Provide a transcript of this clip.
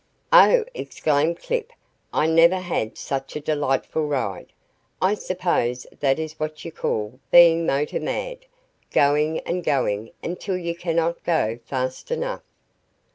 "Oh!" exclaimed Clip, "I never had such a delightful ride. I suppose that is what you call being motor mad going and going until you cannot go fast enough.